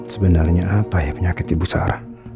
sebenarnya apa ya penyakit ibu sarah